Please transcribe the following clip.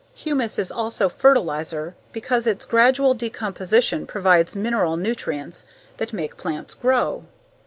Humus is also fertilizer because its gradual decomposition provides mineral nutrients that make plants grow.